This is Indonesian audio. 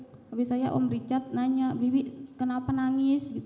habis saya om richard nanya bibi kenapa nangis